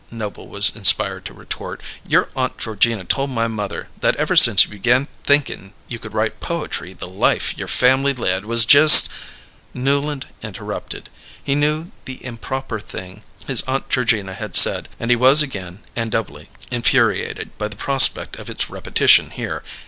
Noble was inspired to retort. "Your Aunt Georgina told my mother that ever since you began thinkin' you could write poetry the life your family led was just " Newland interrupted. He knew the improper thing his Aunt Georgina had said, and he was again, and doubly, infuriated by the prospect of its repetition here.